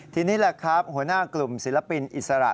ทีนี้แหละครับหัวหน้ากลุ่มศิลปินอิสระ